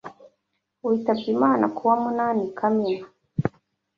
witabye Imana ku wa munani Kamena